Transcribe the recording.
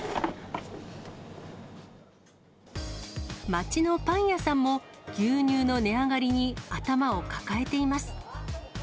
町のパン屋さんも、牛乳の値上がりに頭を抱えています。